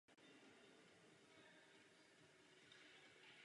Význam větších energetických úspor je nesporný.